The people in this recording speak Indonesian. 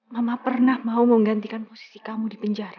mama pernah mau menggantikan posisi kamu di penjara